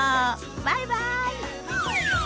バイバイ。